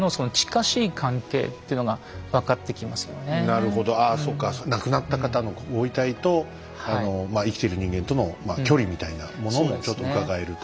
なるほどああそうか亡くなった方のご遺体と生きてる人間との距離みたいなものもちょっとうかがえると。